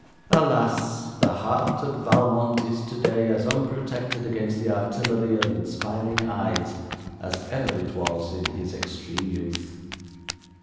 Alas! the heart of Valmont is today as unprotected against the artillery of inspiring eyes as ever it was in his extreme youth.